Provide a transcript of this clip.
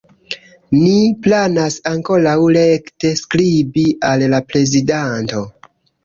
Ni planas ankoraŭ rekte skribi al la prezidanto.